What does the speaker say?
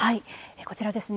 こちらですね